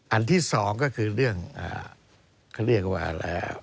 อันที่สองก็คือเรื่องเขาเรียกว่าอะไร